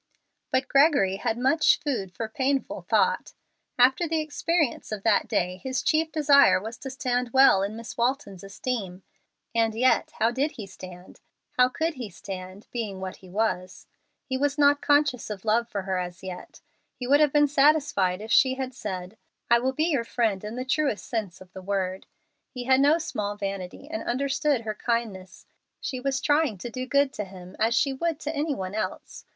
But Gregory had much food for painful thought. After the experience of that day his chief desire was to stand well in Miss Walton's esteem. And yet how did he stand how could he stand, being what he was? He was not conscious of love for her as yet. He would have been satisfied if she had said, "I will be your friend in the truest sense of the word." He had no small vanity, and understood her kindness. She was trying to do good to him as she would to any one else.